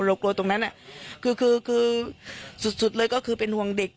กลัวตรงนั้นคือคือสุดเลยก็คือเป็นห่วงเด็ก